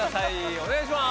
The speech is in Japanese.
お願いします！